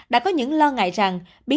đã có những lo ngại rằng